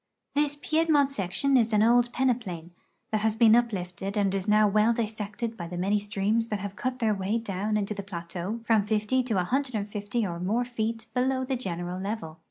This Piedmont section is an old peneplain that has been up lifted and is now well dissected by the many streams that have cut their way down into the plateau from fifty to a hundred and fifty or more feet below the general level.